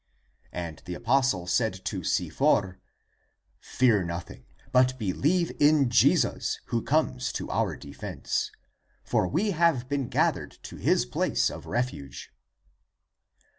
And the apostle said to Sifor, " Fear nothing, but believe in Jesus, who conies to our defense. For we have been gathered to his place of refuge."